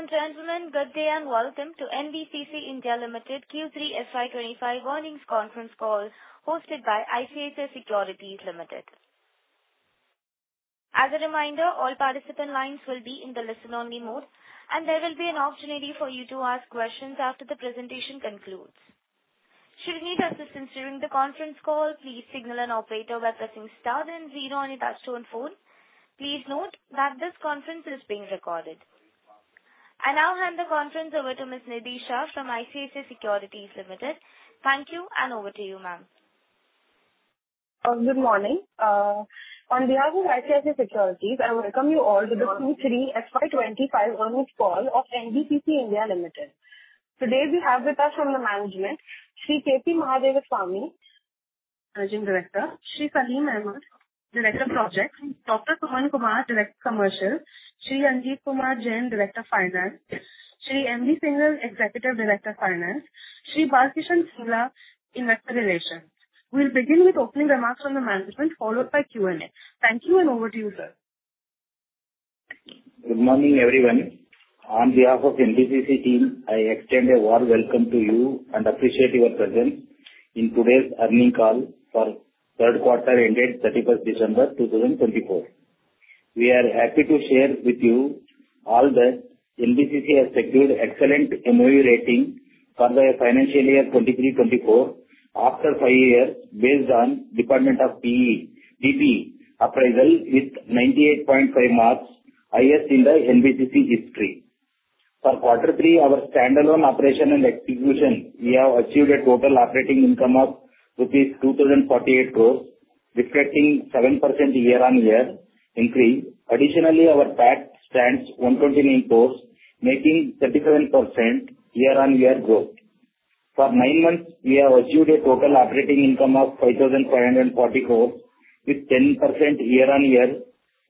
Ladies and gentlemen, good day and welcome to NBCC (India) Limited Q3 FY25 Earnings Conference Call, hosted by ICICI Securities Limited. As a reminder, all participant lines will be in the listen-only mode, and there will be an opportunity for you to ask questions after the presentation concludes. Should you need assistance during the conference call, please signal an operator by pressing star then zero on your touch-tone phone. Please note that this conference is being recorded. I now hand the conference over to Ms. Nidhi Shah from ICICI Securities Limited. Thank you, and over to you, ma'am. Good morning. On behalf of ICICI Securities, I welcome you all to the Q3 FY25 Earnings Call of NBCC (India) Limited. Today, we have with us from the management, Sri K.P. Mahadevaswamy, Managing Director, Sri Salim Ahmad, Director of Projects, Dr. Suman Kumar, Director of Commercial, Sri Ankit Kumar Jain, Director of Finance, Sri M. B. Singhal, Executive Director of Finance, Sri Balkishan Singla, Investor Relations. We'll begin with opening remarks from the management, followed by Q&A. Thank you, and over to you, sir. Good morning, everyone. On behalf of NBCC team, I extend a warm welcome to you and appreciate your presence in today's earnings call for third quarter ended 31st December 2024. We are happy to share with you all that NBCC has secured excellent MOU rating for the financial year 2023-24 after five years, based on the Department of Public Enterprises (DPE) appraisal with 98.5 marks, highest in the NBCC history. For quarter three, our standalone operation and execution, we have achieved a total operating income of ₹2,048, reflecting a 7% year-on-year increase. Additionally, our PAT stands at ₹129, making a 37% year-on-year growth. For nine months, we have achieved a total operating income of ₹5,540, with a 10% year-on-year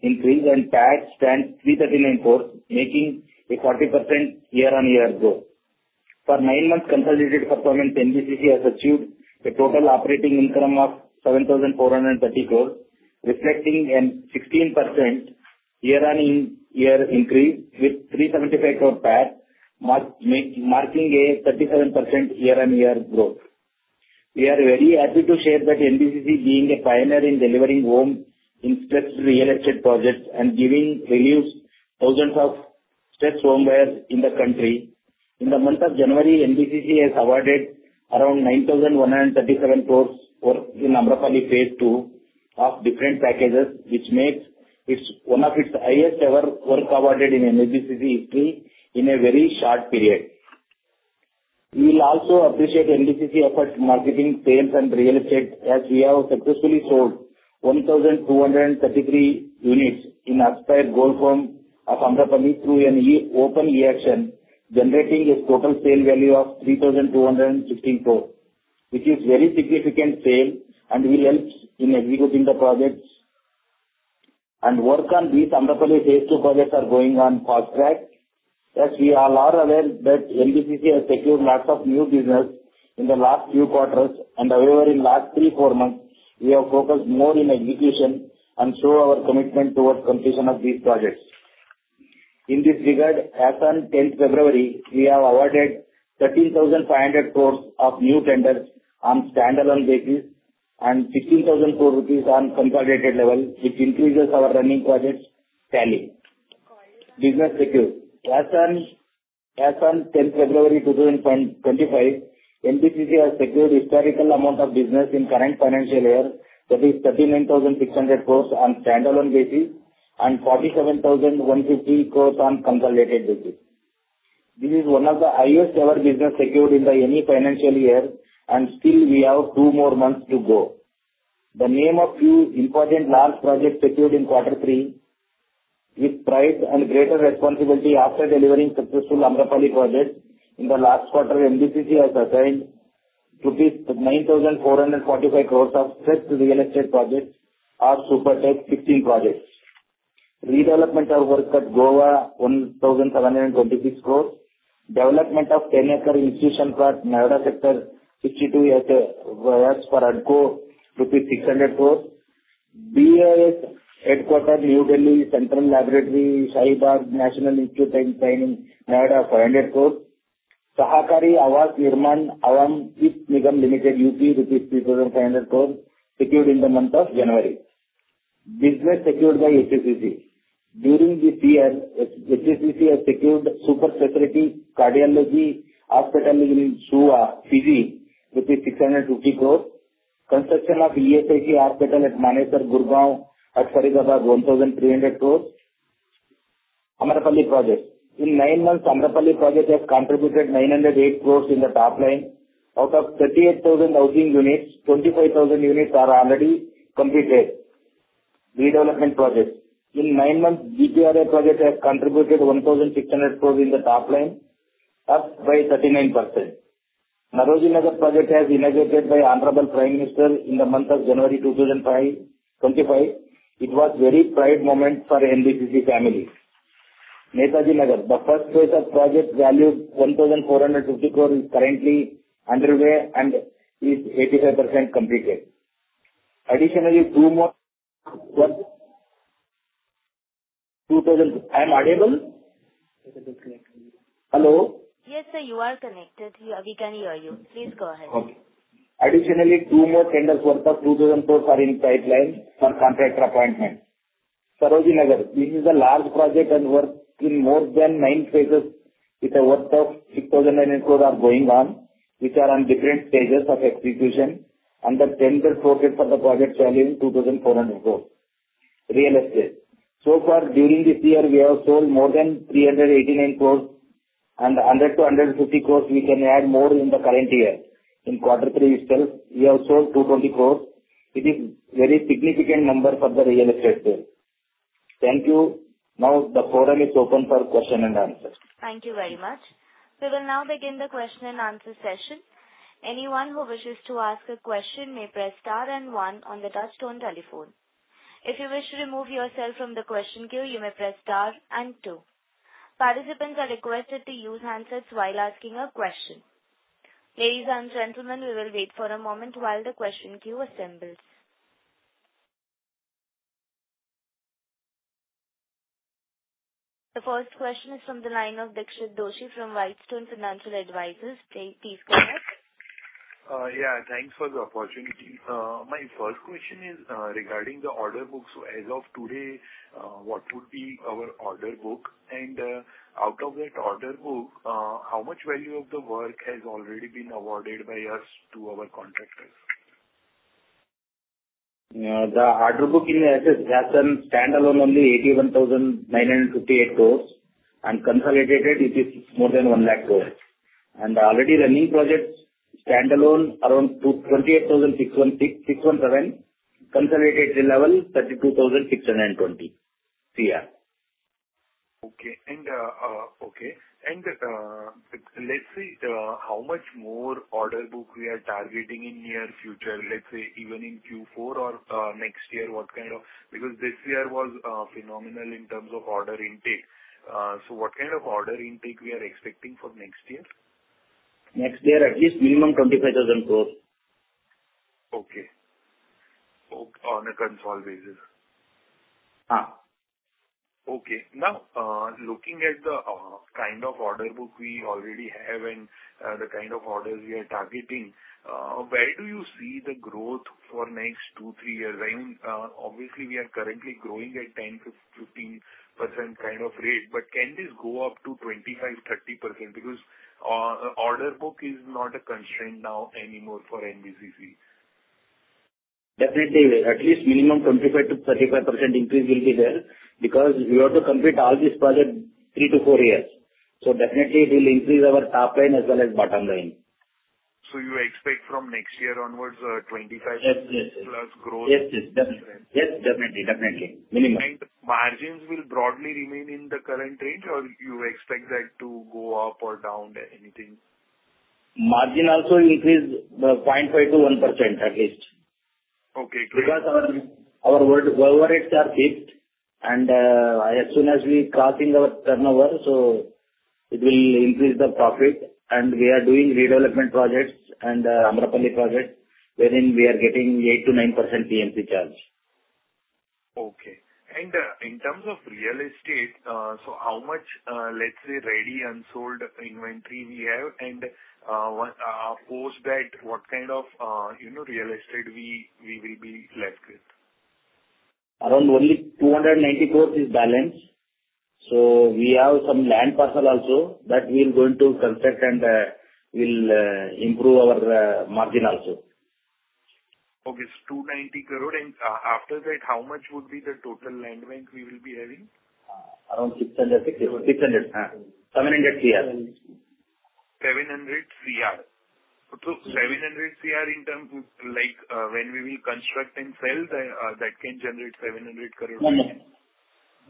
increase, and PAT stands at ₹339, making a 40% year-on-year growth. For nine months' consolidated performance, NBCC has achieved a total operating income of 7,430, reflecting a 16% year-on-year increase, with a 375 crore PAT marking a 37% year-on-year growth. We are very happy to share that NBCC, being a pioneer in delivering home and stress-related projects and giving relief to thousands of stressed homebuyers in the country, in the month of January, NBCC has awarded around 9,137 crores in Amrapali Phase II of different packages, which makes it one of its highest-ever work awarded in NBCC history in a very short period. We will also appreciate NBCC's efforts in marketing sales and real estate, as we have successfully sold 1,233 units in the Amrapali Golf Homes of Amrapali through an open e-auction, generating a total sale value of 3,216 crores, which is a very significant sale and will help in executing the projects. Work on these Amrapali Phase II projects is going on fast track. As we are all aware, NBCC has secured lots of new business in the last few quarters, and however, in the last three to four months, we have focused more on execution and shown our commitment towards completion of these projects. In this regard, as of 10th February, we have awarded ₹13,500 crores of new tenders on a standalone basis and ₹15,000 crores on a consolidated level, which increases our running project selling business. As of 10th February 2025, NBCC has secured a historical amount of business in the current financial year, that is ₹39,600 crores on a standalone basis and ₹47,150 crores on a consolidated basis. This is one of the highest-ever businesses secured in the any financial year, and still, we have two more months to go. The name of a few important large projects secured in quarter three, with pride and greater responsibility after delivering successful Amrapali projects in the last quarter, NBCC has secured 9,445 crores of stressed real estate projects or Supertech fixing projects. Redevelopment of work at Goa 1,726 crores, development of 10-acre institutional plot in the Noida sector 62 as a warehouse for HUDCO INR 600 crores, BIS headquarters in New Delhi, Central Laboratory, Sahibabad, National Institute and Training Noida INR 500 crores, U.P. Sahkari Awas Nirman Evam Vitt Nigam Ltd, UP INR 3,500 crores secured in the month of January. Business secured by HSCC. During this year, HSCC has secured super-specialty cardiology hospital in Suva, Fiji 650 crores, construction of ESIC hospital at Manesar, Gurugram at Faridabad, 1,300 crores. Amrapali projects. In nine months, Amrapali projects have contributed 908 crores in the top line. Out of 38,000 housing units, 25,000 units are already completed. Redevelopment projects. In nine months, GPRA projects have contributed 1,600 crores in the top line, up by 39%. Nauroji Nagar project has been inaugurated by the Honorable Prime Minister in the month of January 2025. It was a very proud moment for the NBCC family. Netaji Nagar, the first phase of project valued 1,450 crores, is currently underway and is 85% completed. Additionally, two more works. Am I audible? Yes, sir, you are connected. We can hear you. Please go ahead. Okay. Additionally, two more tenders worth of 2,000 crores are in the pipeline for contractor appointment. Sarojini Nagar, this is a large project and work in more than nine phases, with a worth of 6,900 crores going on, which are on different stages of execution, and the tender slotted for the project value is INR 2,400 crores. Real estate. So far, during this year, we have sold more than 389 crores, and 100-150 crores we can add more in the current year. In quarter three itself, we have sold 220 crores. It is a very significant number for the real estate sale. Thank you. Now, the forum is open for questions and answers. Thank you very much. We will now begin the question and answer session. Anyone who wishes to ask a question may press star and one on the touch-tone telephone. If you wish to remove yourself from the question queue, you may press star and two. Participants are requested to use handsets while asking a question. Ladies and gentlemen, we will wait for a moment while the question queue assembles. The first question is from the line of Dixit Doshi from Whitestone Financial Advisors. Please go ahead. Yeah, thanks for the opportunity. My first question is regarding the order books. As of today, what would be our order book? And out of that order book, how much value of the work has already been awarded by us to our contractors? The order book in the sense has a standalone only 81,958 crores, and consolidated it is more than 1,000,000 crores. And already running projects standalone around 28,617, consolidated level 32,620 CR. Okay. And let's see how much more order book we are targeting in the near future. Let's say even in Q4 or next year, what kind of, because this year was phenomenal in terms of order intake. So what kind of order intake we are expecting for next year? Next year, at least minimum 25,000 crores. Okay. On a consolidated basis. Huh. Okay. Now, looking at the kind of order book we already have and the kind of orders we are targeting, where do you see the growth for the next two, three years? I mean, obviously, we are currently growing at 10%, 15% kind of rate, but can this go up to 25%, 30%? Because order book is not a constraint now anymore for NBCC. Definitely. At least minimum 25%-35% increase will be there because we have to complete all these projects in three to four years. So definitely, it will increase our top line as well as bottom line. You expect from next year onwards a 25% plus growth? Yes, yes. Definitely. Yes, definitely. Definitely. Minimum. And margins will broadly remain in the current range, or you expect that to go up or down anything? Margin also increased by 0.5%-1% at least. Okay. Because our work rates are dipped, and as soon as we are crossing our turnover, so it will increase the profit. And we are doing redevelopment projects and Amrapali projects, wherein we are getting 8% to 9% PMC charge. Okay. In terms of real estate, so how much, let's say, ready unsold inventory we have, and post that, what kind of real estate will we be left with? Around only ₹290 crores is balance. So we have some land parcel also that we are going to construct, and we will improve our margin also. Okay. So ₹290 crores. And after that, how much would be the total land bank we will be having? Around ₹600, ₹600, ₹700 Cr. ₹700 CR. So ₹700 CR in terms of when we will construct and sell, that can generate ₹700 crores? No.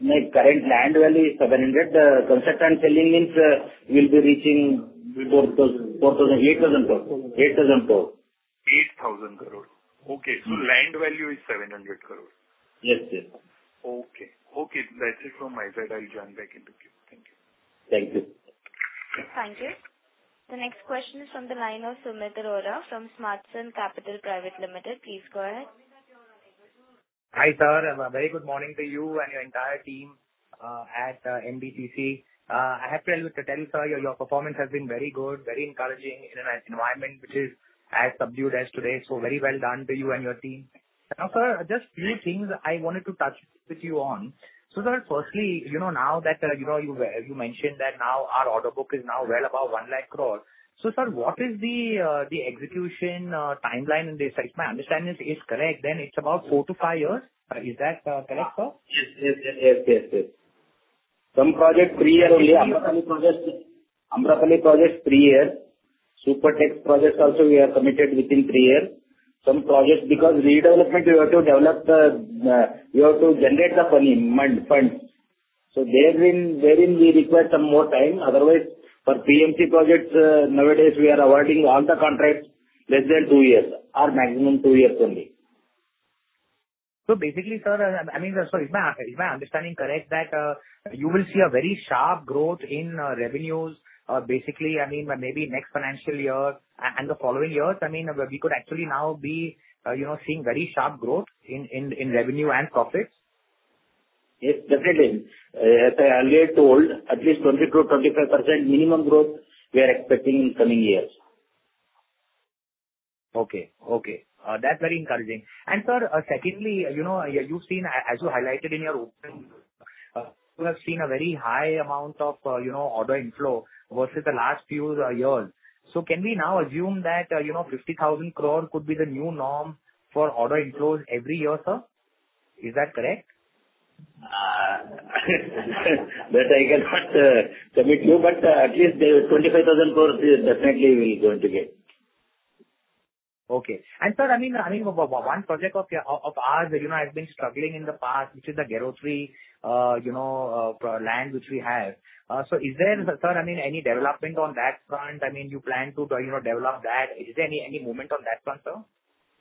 Current land value is ₹700. Construct and selling means we will be reaching ₹8,000 crores. 8,000 crores. Okay. So land value is 700 crores. Yes, yes. Okay. Okay. That's it from my side. I'll join back into queue. Thank you. Thank you. Thank you. The next question is from the line of Sumit Arora from Smart Sync Services. Please go ahead. Hi, sir. Very good morning to you and your entire team at NBCC. I have to tell you, sir, your performance has been very good, very encouraging in an environment which is as subdued as today. So very well done to you and your team. Now, sir, just a few things I wanted to touch with you on. So sir, firstly, now that you mentioned that now our order book is now well above ₹1,000,000 crores, so sir, what is the execution timeline? And if my understanding is correct, then it's about four to five years. Is that correct, sir? Yes, yes, yes, yes, yes. Some projects three years only. Amrapali projects. Amrapali projects three years. Supertech projects also we are committed within three years. Some projects because redevelopment, we have to generate the funds. So therein we require some more time. Otherwise, for PMC projects, nowadays we are awarding all the contracts less than two years or maximum two years only. So basically, sir, I mean, so is my understanding correct that you will see a very sharp growth in revenues basically, I mean, maybe next financial year and the following years? I mean, we could actually now be seeing very sharp growth in revenue and profits? Yes, definitely. As I earlier told, at least 20%-25% minimum growth we are expecting in coming years. Okay. Okay. That's very encouraging. And sir, secondly, you've seen, as you highlighted in your open, you have seen a very high amount of order inflow versus the last few years. So can we now assume that 50,000 crores could be the new norm for order inflows every year, sir? Is that correct? That I cannot commit to, but at least ₹25,000 crores definitely we will going to get. Okay. And sir, I mean, one project of ours has been struggling in the past, which is the Ghitorni land which we have. So is there, sir, I mean, any development on that front? I mean, you plan to develop that. Is there any movement on that front, sir?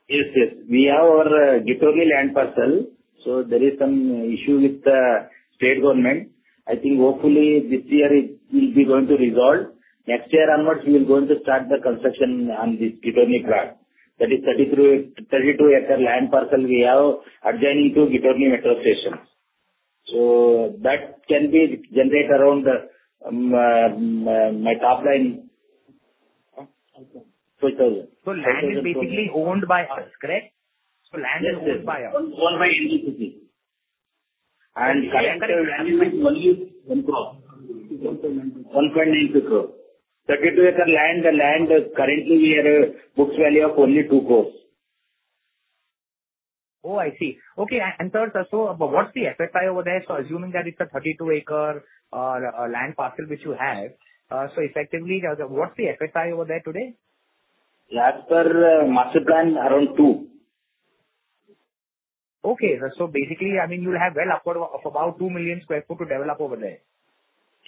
Yes, yes. We have our Ghitorni land parcel. So there is some issue with the state government. I think hopefully this year it will be going to resolve. Next year onwards, we will going to start the construction on this Ghitorni plot. That is 32-acre land parcel we have adjoining to Ghitorni Metro Station. So that can be generated around my top line. So land is basically owned by us, correct? So land is owned by us. Owned by NBCC. And currently we have only INR one crore. 1.92 crores. 32-acre land, currently we have a book value of only INR 2 crore. Oh, I see. Okay. And sir, so what's the FSI over there? So assuming that it's a 32-acre land parcel which you have, so effectively, what's the FSI over there today? As per master plan, around two. Okay. So basically, I mean, you'll have well upward of about 2 million sq ft to develop over there.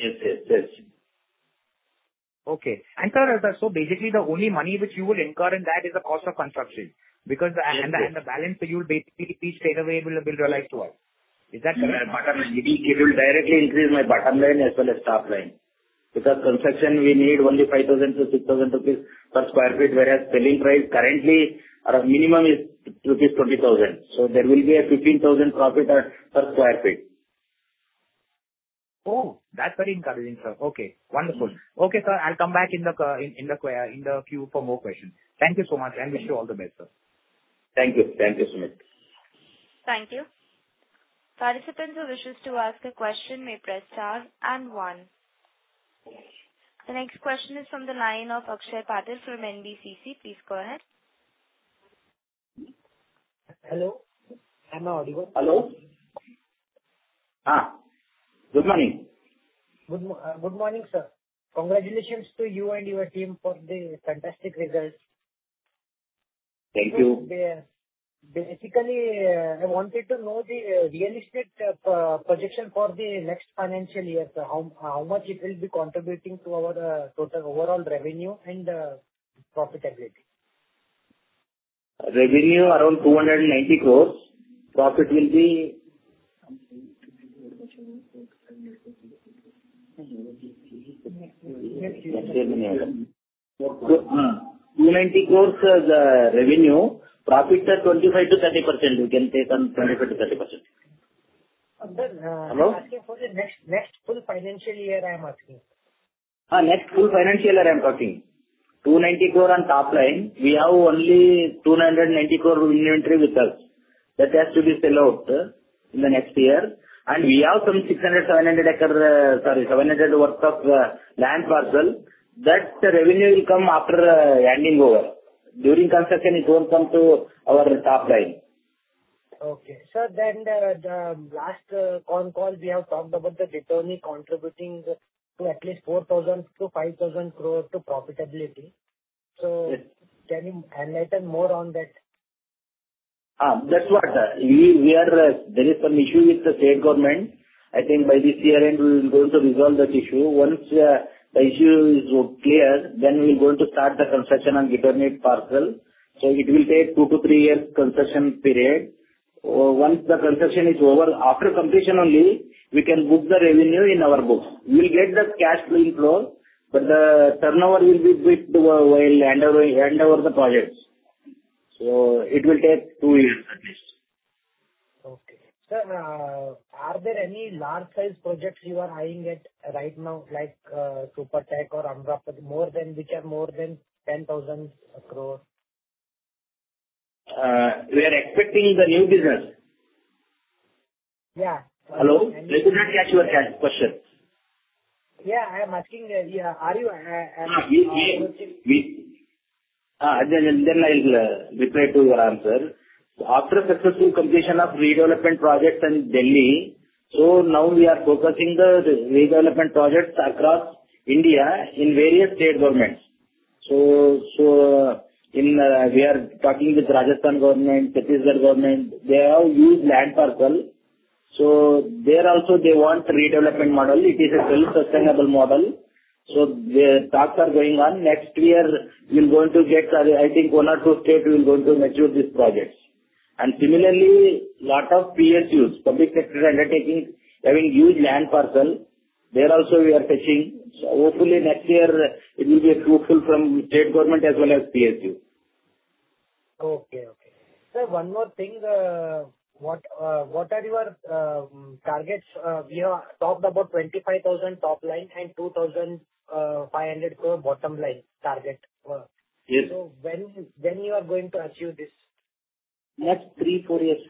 Yes, yes, yes. Okay, and sir, so basically, the only money which you will incur in that is the cost of construction because the balance you will basically be straightaway will be realized to us. Is that correct? My bottom line. It will directly increase my bottom line as well as top line. Because construction, we need only ₹5,000-₹6,000 per sq ft, whereas selling price currently minimum is ₹20,000. So there will be a ₹15,000 profit per sq ft. Oh, that's very encouraging, sir. Okay. Wonderful. Okay, sir. I'll come back in the queue for more questions. Thank you so much, and wish you all the best, sir. Thank you. Thank you, Sumit. Thank you. Participants who wish to ask a question may press star and one. The next question is from the line of Akshay Patil from NBCC. Please go ahead. Hello. I'm audible. Hello. Good morning. Good morning, sir. Congratulations to you and your team for the fantastic results. Thank you. Basically, I wanted to know the real estate projection for the next financial year, sir. How much it will be contributing to our total overall revenue and profitability? Revenue around ₹290 crores. Profit will be ₹290 crores revenue. Profit 25%-30%. We can take on 25%-30%. Hello? Hello? I'm asking for the next full financial year. I am asking. Next full financial year, I am talking. 290 crores on top line. We have only 290 crores inventory with us. That has to be sell out in the next year. And we have some 600, 700 acres, sorry, 700 worth of land parcel. That revenue will come after handing over. During construction, it won't come to our top line. Okay. Sir, then the last con call, we have talked about the Ghitorni contributing to at least 4,000-5,000 crores to profitability, so can you enlighten more on that? That's what we are. There is some issue with the state government. I think by this year-end, we will going to resolve that issue. Once the issue is clear, then we will going to start the construction on Ghitorni parcel. So it will take two-to-three years construction period. Once the construction is over, after completion only, we can book the revenue in our books. We will get the cash flow inflow, but the turnover will be hand over the projects. So it will take two years at least. Okay. Sir, are there any large-sized projects you are eyeing at right now, like Supertech or Amrapali, which are more than 10,000 crores? We are expecting the new business. Yeah. Hello? I could not catch your question. Yeah. I am asking, are you? Then I'll reply to your answer. After successful completion of redevelopment projects in Delhi, so now we are focusing the redevelopment projects across India in various state governments. So we are talking with Rajasthan government, Chhattisgarh government. They have used land parcel. So there also, they want redevelopment model. It is a self-sustainable model. So the talks are going on. Next year, we will going to get I think one or two states will going to mature these projects. And similarly, a lot of PSUs, public sector undertaking, having used land parcel, there also we are touching. So hopefully next year, it will be fruitful from state government as well as PSU. Okay. Okay. Sir, one more thing. What are your targets? We have talked about 25,000 top line and 2,500 crores bottom line target. So when you are going to achieve this? Next three, four years.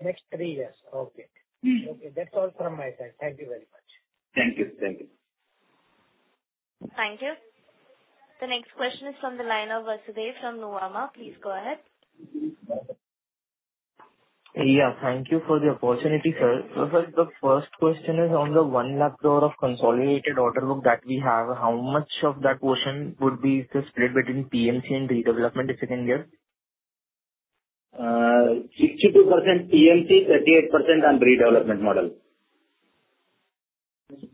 Next three years. Okay. Okay. That's all from my side. Thank you very much. Thank you. Thank you. Thank you. The next question is from the line of Vasudev from Nuvama. Please go ahead. Yeah. Thank you for the opportunity, sir. Sir, the first question is on the 1,000,000 crores of consolidated order book that we have. How much of that portion would be the split between PMC and redevelopment if you can give? 62% PMC, 38% on redevelopment model.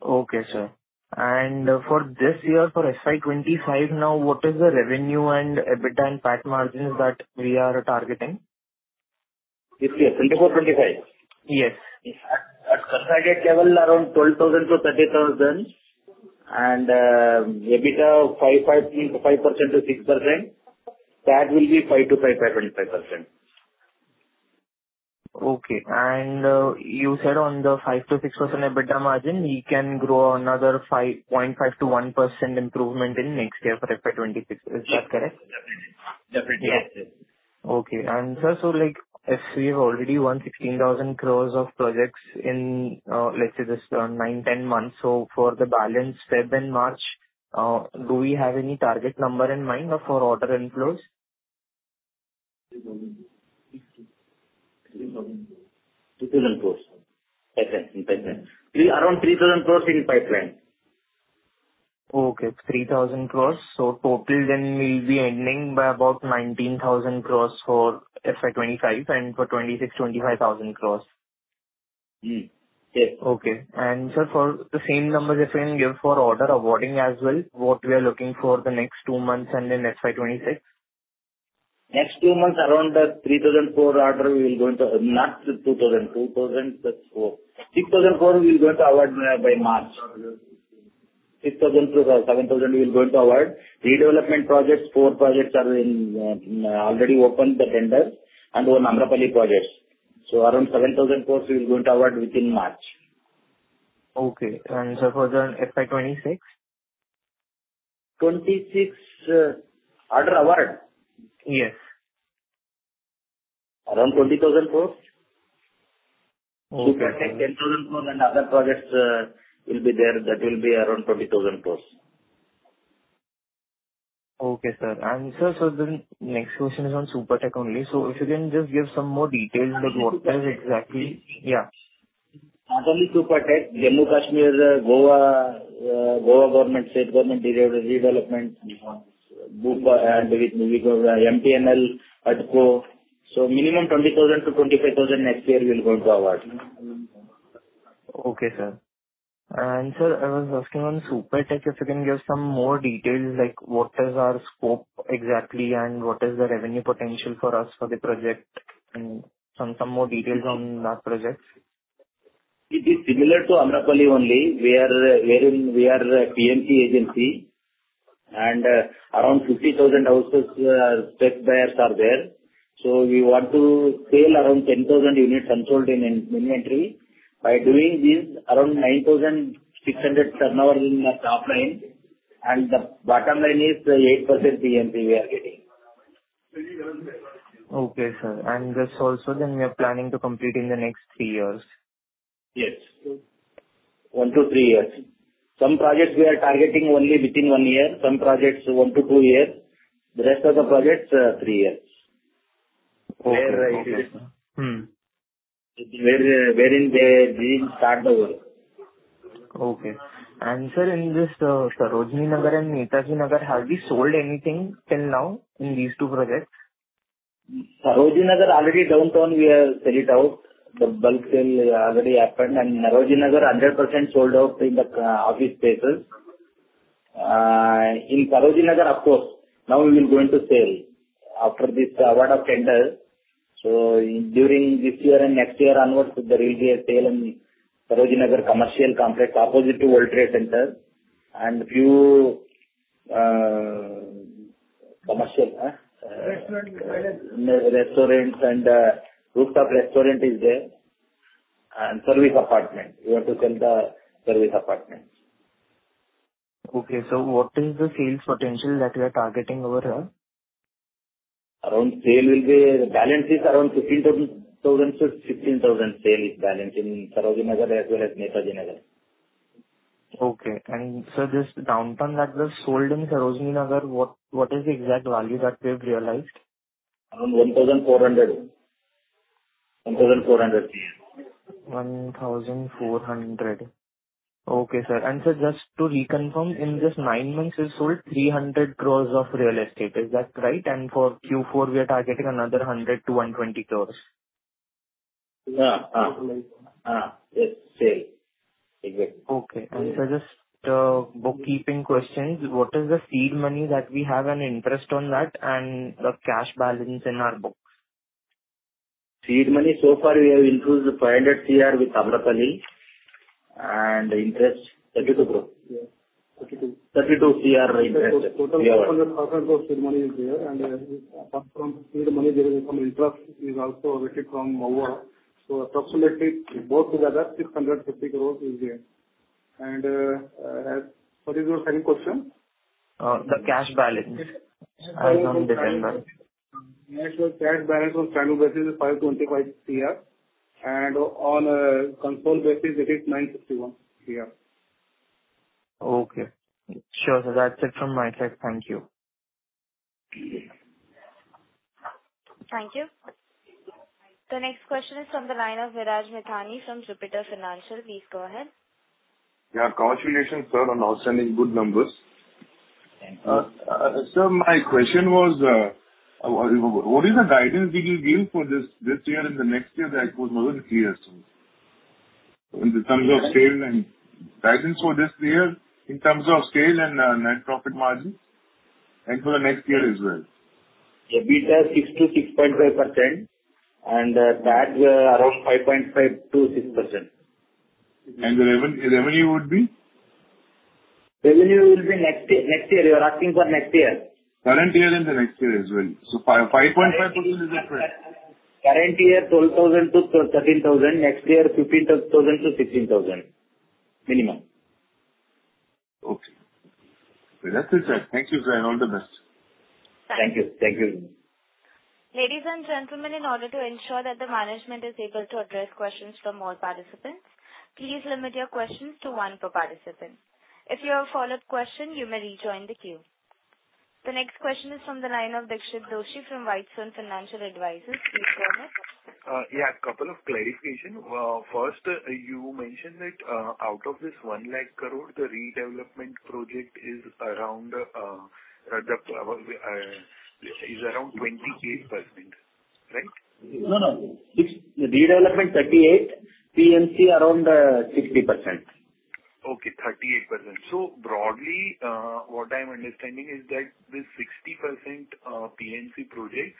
Okay, sir and for this year, for FY25 now, what is the revenue and EBITDA and PAT margins that we are targeting? Yes, yes. 24-25. Yes. At consolidated level, around ₹12,000-₹30,000, and EBITDA 5%-6%. That will be 5%-5.25%. Okay. You said on the 5%-6% EBITDA margin, we can grow another 0.5%-1% improvement in next year for FY26. Is that correct? Definitely. Definitely. Yes, yes. Okay. And sir, so if we have already won 16,000 crores of projects in, let's say, this nine, 10 months, so for the balance February and March, do we have any target number in mind for order inflows? ₹3,000 crores in pipeline. Around ₹3,000 crores in pipeline. Okay. INR 3,000 crores. So total then we'll be ending by about 19,000 crores for FY25 and for FY26, 25,000 crores. Yes. Okay. And sir, for the same numbers if you can give for order awarding as well, what we are looking for the next two months and in FY26? Next two months, around ₹3,000 crores order we will going to not ₹2,000. ₹2,000-₹6,000 crores we will going to award by March. ₹6,000-₹7,000 we will going to award. Redevelopment projects, four projects are already opened the tender. One Amrapali project. So around ₹7,000 crores we will going to award within March. Okay. And sir, for the FY26? ₹26,000 order award? Yes. Around ₹20,000 crores. Okay. INR 10,000 crores and other projects will be there. That will be around 20,000 crores. Okay, sir. And sir, so the next question is on Supertech only. So if you can just give some more details like what is exactly yeah. Not only Supertech, Jammu and Kashmir, Goa, Goa government, state government, redevelopment, Bhopal, and with MTNL, HUDCO. So minimum 20,000-25,000 next year we will going to award. Okay, sir and sir, I was asking on Supertech if you can give some more details like what is our scope exactly and what is the revenue potential for us for the project and some more details on that project? It is similar to Amrapali only. We are PMC agency, and around ₹50,000 houses stuck buyers are there, so we want to sell around ₹10,000 units unsold in inventory. By doing this, around ₹9,600 turnover in the top line, and the bottom line is 8% PMC we are getting. Okay, sir. And that's also then we are planning to complete in the next three years? Yes. One to three years. Some projects we are targeting only within one year. Some projects one to two years. The rest of the projects, three years. Okay. Wherein we didn't start the work. Okay. And sir, in this, Sarojini Nagar and Netaji Nagar, have we sold anything till now in these two projects? Nagar already downtown we have sell it out. The bulk sale already happened and Sarojini Nagar 100% sold out in the office spaces. In Sarojini Nagar, of course. Now we will going to sell after this award of tender, so during this year and next year onwards, there will be a sale in Sarojini Nagar commercial complex opposite to World Trade Center, and a few commercial. Restaurant. Restaurants and rooftop restaurant is there, and service apartment. We want to sell the service apartment. Okay, so what is the sales potential that we are targeting over here? Around sale will be the balance is around 15,000-16,000 sale is balance in Sarojini Nagar as well as Netaji Nagar. Okay. And sir, this downtown that was sold in Sarojini Nagar, what is the exact value that we have realized? Around ₹1,400. ₹1,400. ₹1,400. Okay, sir. And sir, just to reconfirm, in this nine months, we've sold ₹300 crores of real estate. Is that right? And for Q4, we are targeting another ₹100-₹120 crores? Yes. Yes. Sale. Exactly. Okay. And sir, just bookkeeping questions. What is the seed money that we have an interest on that and the cash balance in our books? Seed money, so far we have increased 500 crore with Amrapali and interest 32 crores. 32 crore interest. Total ₹500 crores seed money is there. And apart from seed money, there is some interest that is also accrued from MOU. So approximately both together, ₹650 crores is there. And for your second question. The cash balance on the tender? Cash balance on standalone basis is ₹525 crore, and on consolidated basis, it is ₹961 crore. Okay. Sure, sir. That's it from my side. Thank you. Thank you. The next question is from the line of Viraj Mithani from Jupiter Financial. Please go ahead. Yeah. Congratulations, sir, on outstanding good numbers. Thank you. Sir, my question was, what is the guidance that you give for this year and the next year? That was not clear to me in terms of sales and guidance for this year in terms of sales and net profit margins and for the next year as well? EBITDA is 6%-6.5%. And PAT around 5.5%-6%. The revenue would be? Revenue will be next year. You are asking for next year. Current year and the next year as well. So 5.5% is that right? Current year, ₹12,000 to ₹13,000. Next year, ₹15,000 to ₹16,000 minimum. Okay. That's it, sir. Thank you, sir. And all the best. Thank you. Thank you. Ladies and gentlemen, in order to ensure that the management is able to address questions from all participants, please limit your questions to one per participant. If you have a follow-up question, you may rejoin the queue. The next question is from the line of Dixit Doshi from Whitestone Financial Advisors. Please go ahead. Yeah. A couple of clarifications. First, you mentioned that out of this ₹1,000,000 crores, the redevelopment project is around 28%, right? No, no. The redevelopment 38%. PMC around 60%. Okay. 38%. So broadly, what I'm understanding is that this 60% PMC project,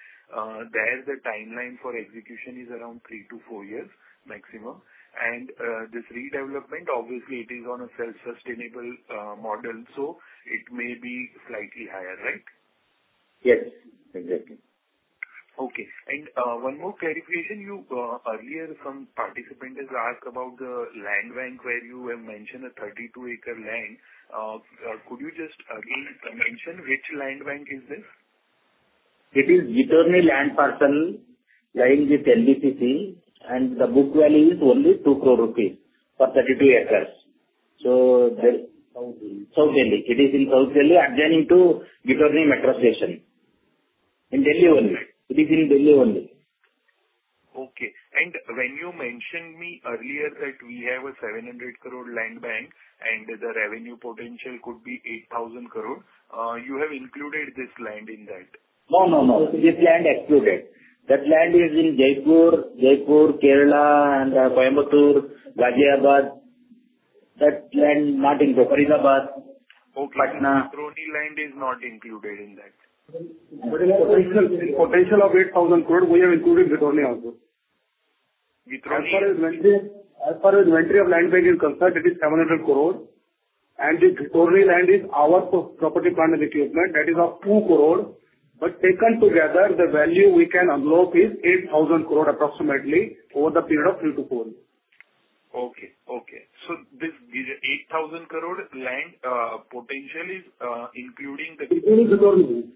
there the timeline for execution is around three-to-four years maximum. And this redevelopment, obviously, it is on a self-sustainable model. So it may be slightly higher, right? Yes. Exactly. Okay. And one more clarification. Earlier, some participants asked about the land bank where you have mentioned a 32-acre land. Could you just again mention which land bank is this? It is Ghitorni Land Parcel lying with NBCC. The book value is only ₹2 crores for 32 acres. It is in South Delhi, adjoining Ghitorni Metro Station. It is in Delhi only. Okay. And when you mentioned me earlier that we have a ₹700 crore land bank and the revenue potential could be ₹8,000 crores, you have included this land in that? No, no, no. This land excluded. That land is in Jaipur, Jaipur, Kerala, and Coimbatore, Ghaziabad. That land not in Govindpuram. Okay, but Ghitorni land is not included in that. Potential of 8,000 crores, we have included Ghitorni also. Gittorni land? As far as the entirety of land bank is concerned, it is 700 crores, and the Ghitorni land is our property, plant and equipment. That is of 2 crores, but taken together, the value we can unlock is 8,000 crores approximately over the period of three to four years. Okay. So this ₹8,000 crores land potential is including the. Including Ghitorni.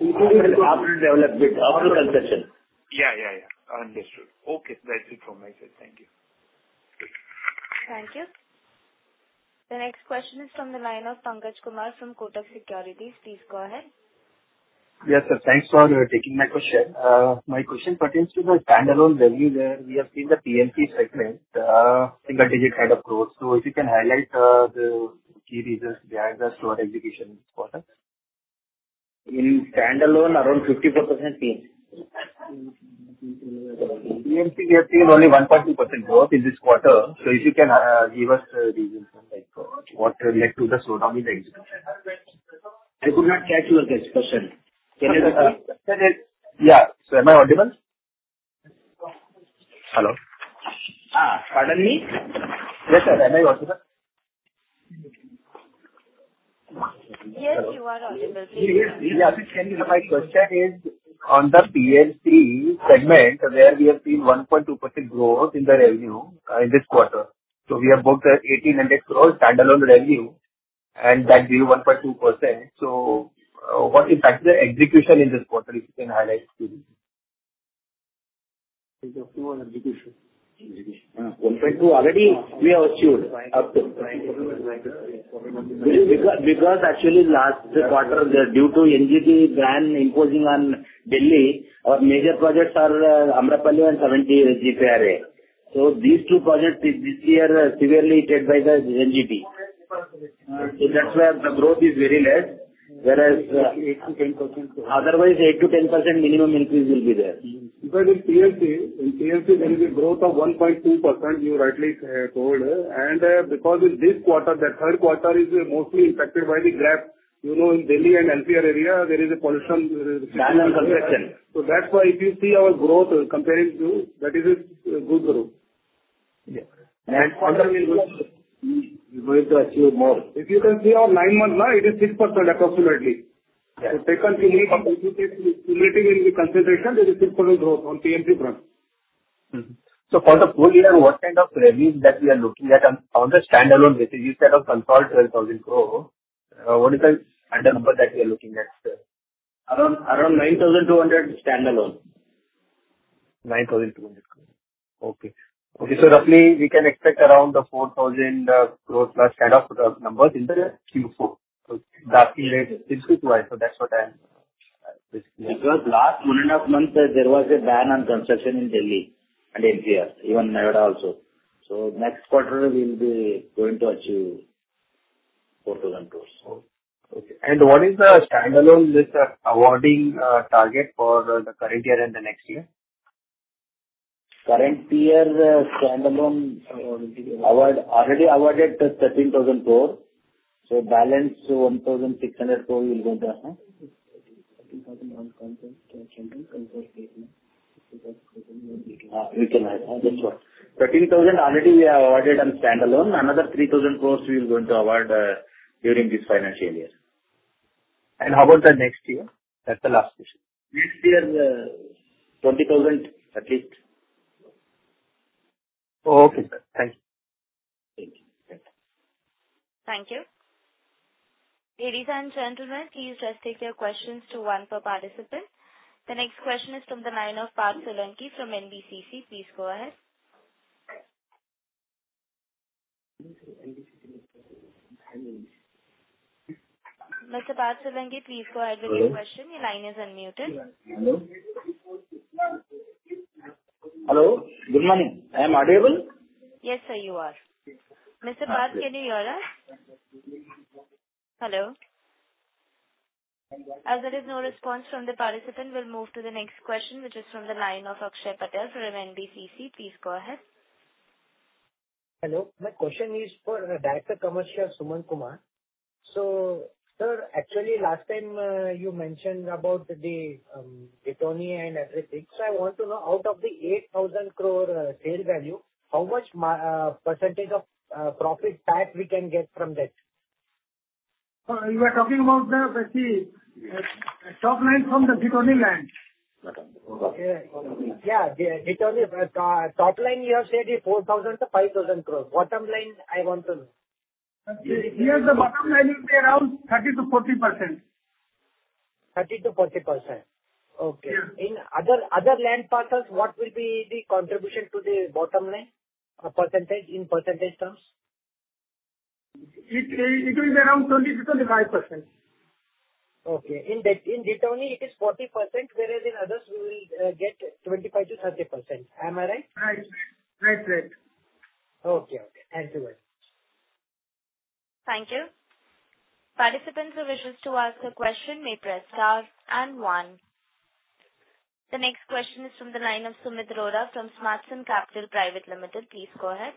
After development, after concession. Yeah, yeah, yeah. Understood. Okay. That's it from my side. Thank you. Thank you. The next question is from the line of Pankaj Kumar from Kotak Securities. Please go ahead. Yes, sir. Thanks for taking my question. My question pertains to the standalone revenue where we have seen the PMC segment, single-digit kind of growth. So if you can highlight the key reasons behind the slower execution this quarter. In standalone, around 54% PMC. PMC we have seen only 1.2% growth in this quarter. So if you can give us the reasons what led to the slowdown in the execution. I could not catch your question. Can I just? Yeah. So am I audible? Hello? Pardon me? Yes, sir. Am I audible? Yes, you are audible. Yes, please. Yes, please. Can you? My question is on the PMC segment where we have seen 1.2% growth in the revenue in this quarter. So we have booked 1,800 crores standalone revenue. And that gave you 1.2%. So what impacted the execution in this quarter if you can highlight? Execution. 1.2 already we have achieved. Because actually last quarter, due to NGT ban imposing on Delhi, our major projects are Amrapali and 70 GPRA. So these two projects this year severely hit by the NGT. So that's why the growth is very less. Whereas. 8%-10%. Otherwise, 8%-10% minimum increase will be there. Because in PMC, in PMC, there is a growth of 1.2%, you rightly told. And because in this quarter, the third quarter is mostly impacted by the GRAP. You know in Delhi and GPRA area, there is a pollution. Land and construction. So that's why if you see our growth comparing to, that is a good growth. And quarterly. We are going to achieve more. If you can see our nine months now, it is 6% approximately. So taken cumulative in the construction, there is 6% growth on PMC front. So for the full year, what kind of revenue that we are looking at on the standalone basis instead of consolidated ₹12,000 crores, what is the other number that we are looking at, sir? Around ₹9,200 standalone. ₹9,200 crores. Okay. Okay. So roughly we can expect around ₹4,000 crores plus kind of numbers in the Q4. The asking rate is 6 to 1. So that's what I am basically. Because last one and a half months, there was a ban on construction in Delhi and NCR, even Noida also. So next quarter, we will be going to achieve ₹4,000 crores. Okay, and what is the standalone L1 awarding target for the current year and the next year? Current year, standalone award already awarded ₹13,000 crores, so balance ₹1,600 crores will go to. We can highlight. That's what. 13,000 already we have awarded on standalone. Another 3,000 crores we will going to award during this financial year. How about the next year? That's the last question. Next year, ₹20,000 at least. Okay. Thank you. Thank you. Thank you. Ladies and gentlemen, please just take your questions to one per participant. The next question is from the line of Parth Solanki from NBCC. Please go ahead. Mr. Parth Solanki, please go ahead with your question. Your line is unmuted. Hello. Hello. Good morning. I am audible? Yes, sir, you are. Mr. Parth, can you hear us? Hello. As there is no response from the participant, we'll move to the next question, which is from the line of Akshay Patil from NBCC. Please go ahead. Hello. My question is for Director Commercial, Suman Kumar. So sir, actually last time you mentioned about the Ghitorni and everything. So I want to know out of the ₹8,000 crores sale value, how much percentage of profit PAT we can get from that? You are talking about the top line from the Ghitorni land. Yeah. Ghitorni. Top line, you have said is ₹4,000-₹5,000 crores. Bottom line, I want to know. Yes. The bottom line will be around 30%-40%. 30%-40%. Okay. In other land parcels, what will be the contribution to the bottom line percentage in percentage terms? It will be around 20%-25%. Okay. In Ghitorni, it is 40%, whereas in others, we will get 25%-30%. Am I right? Right. Right. Right. Okay. Okay. Thank you very much. Thank you. Participants who wish to ask a question may press star and one. The next question is from the line of Sumit Arora from Smart Sync Services. Please go ahead.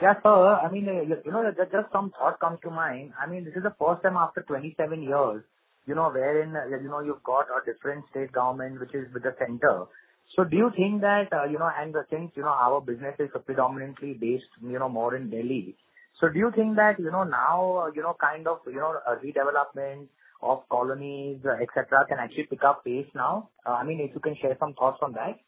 Yes, sir. I mean, just some thought comes to mind. I mean, this is the first time after 27 years wherein you've got a different state government, which is with the center. So do you think that, and since our business is predominantly based more in Delhi, so do you think that now kind of redevelopment of colonies, etc., can actually pick up pace now? I mean, if you can share some thoughts on that.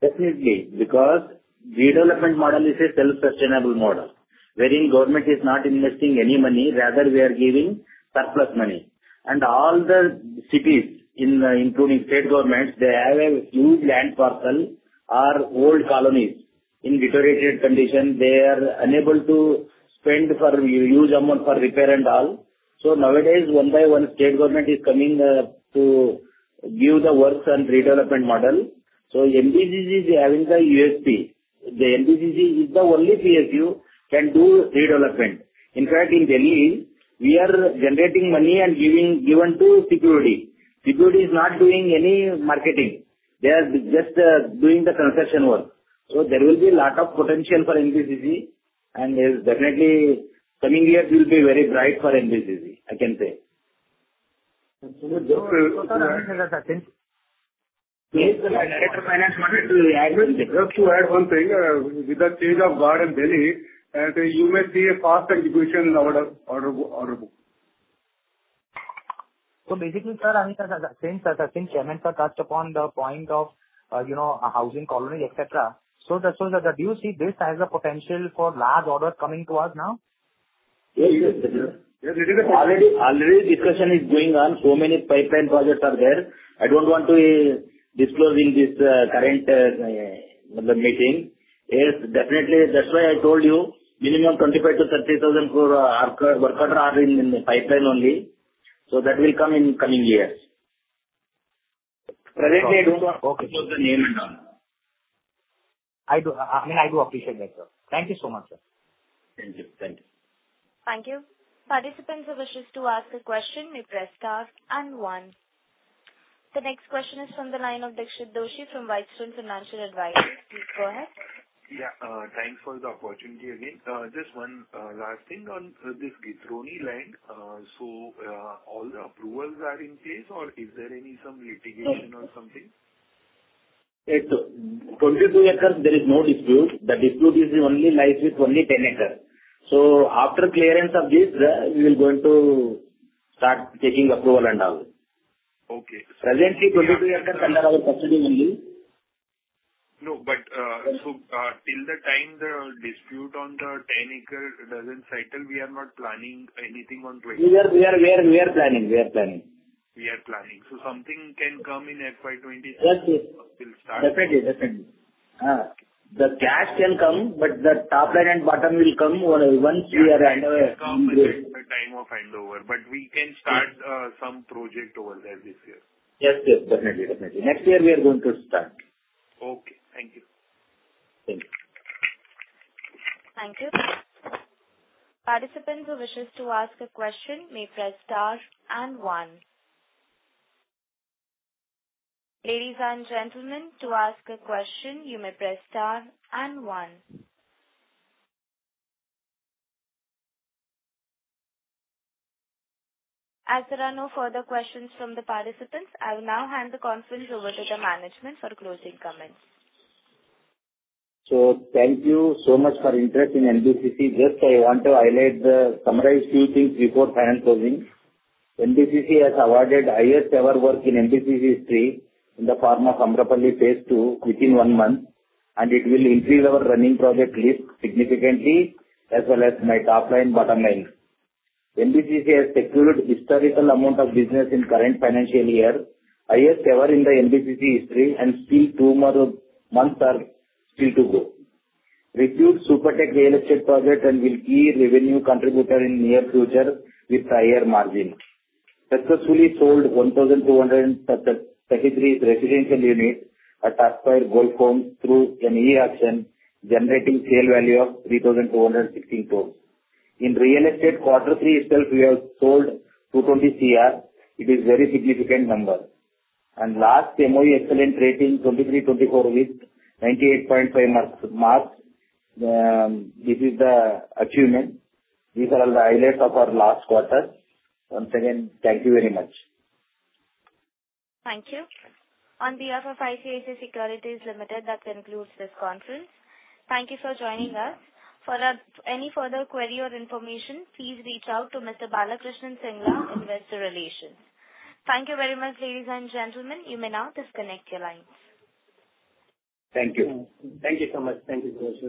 Definitely. Because redevelopment model is a self-sustainable model wherein government is not investing any money. Rather, we are giving surplus money. And all the cities, including state governments, they have a huge land parcel, are old colonies in deteriorated condition. They are unable to spend for huge amount for repair and all. So nowadays, one by one, state government is coming to give the works and redevelopment model. So NBCC is having the USP. The NBCC is the only PSU can do redevelopment. In fact, in Delhi, we are generating money and given to society. Society is not doing any marketing. They are just doing the construction work. So there will be a lot of potential for NBCC. And definitely, coming years will be very bright for NBCC, I can say. So the director of finance wanted to add one thing with the change of guard in Delhi, and you may see a fast execution order book. Basically, sir, I mean, since payments are touched upon the point of housing colonies, etc., so do you see this as a potential for large orders coming to us now? Yes. Yes. Already, discussion is going on. So many pipeline projects are there. I don't want to disclose in this current meeting. Yes, definitely. That's why I told you minimum ₹25,000-₹30,000 crores work orders are in pipeline only. So that will come in coming years. Presently, I don't want to disclose the name and all. I mean, I do appreciate that, sir. Thank you so much, sir. Thank you. Thank you. Thank you. Participants who wishes to ask a question may press star and one. The next question is from the line of Dixit Doshi from Whitestone Financial Advisors. Please go ahead. Yeah. Thanks for the opportunity again. Just one last thing on this Ghitorni land. So all the approvals are in place, or is there any some litigation or something? It's 22 acres. There is no dispute. The dispute only lies with only 10 acres. So after clearance of this, we will going to start taking approval and all. Okay. Presently, 22 acres under our custody only. No. But so till the time the dispute on the 10-acre doesn't settle, we are not planning anything on 22. We are planning. We are planning. We are planning. So something can come in FY23 will start. Definitely. Definitely. The cash can come, but the top line and bottom line will come once we handover. The time of handover. But we can start some project over there this year. Yes. Yes. Definitely. Definitely. Next year, we are going to start. Okay. Thank you. Thank you. Thank you. Participants who wish to ask a question may press star and one. Ladies and gentlemen, to ask a question, you may press star and one. As there are no further questions from the participants, I will now hand the conference over to the management for closing comments. Thank you so much for your interest in NBCC. Just I want to highlight and summarize a few things before final closing. NBCC has awarded highest ever work in NBCC history in the form of Amrapali Phase II within one month, and it will increase our running project list significantly as well as our top line bottom line. NBCC has secured historic amount of business in current financial year, highest ever in the NBCC history, and still two more months to go. Secured Supertech real estate project and will be key revenue contributor in near future with higher margin. Successfully sold 1,233 residential units at Amrapali Golf Homes through an e-auction generating sale value of ₹3,216 crores. In real estate, quarter three itself, we have sold ₹220 crore. It is a very significant number. Last MOU excellent rating 23-24 with 98.5 marks. This is the achievement. These are all the highlights of our last quarter. Once again, thank you very much. Thank you. On behalf of ICICI Securities Limited, that concludes this conference. Thank you for joining us. For any further query or information, please reach out to Mr. Balkishan Singla in Investor Relations. Thank you very much, ladies and gentlemen. You may now disconnect your lines. Thank you. Thank you so much. Thank you so much.